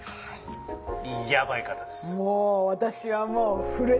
やばい方です。